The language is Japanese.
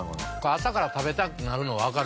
朝から食べたくなるのわかる。